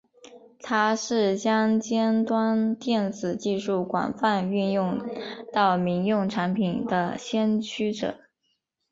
他是将尖端电子技术广泛运用到民用产品的先驱者。